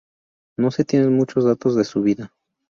No se tienen muchos datos de su vida.